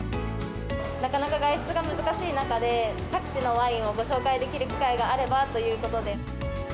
なかなか外出が難しい中で、各地のワインをご紹介できる機会があればということで。